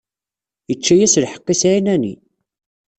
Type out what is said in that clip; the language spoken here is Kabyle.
Ičča-yas lḥeqq-is ɛinani.